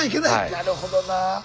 なるほどなぁ。